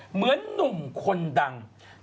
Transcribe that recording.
เหมือนหนุ่มคนดัง